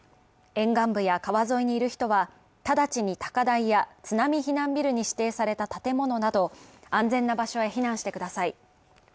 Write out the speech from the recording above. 沿岸部や川沿いにいる人は直ちに高台や津波避難ビルに指定された建物など安全な場所へ避難してください。